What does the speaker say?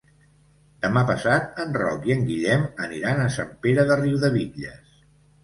Demà passat en Roc i en Guillem aniran a Sant Pere de Riudebitlles.